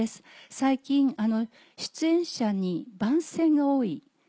最近出演者に番宣が多い。